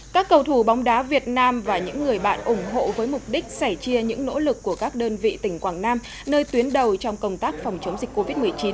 các cầu thủ bóng đá việt nam và những người bạn ủng hộ với mục đích sẻ chia những nỗ lực của các đơn vị tỉnh quảng nam nơi tuyến đầu trong công tác phòng chống dịch covid một mươi chín